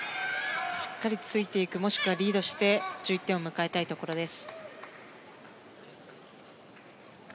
しっかりついていくもしくはリードして１１点を迎えたいところです。